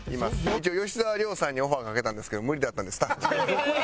一応吉沢亮さんにオファーかけたんですけど無理だったんでスタッフに。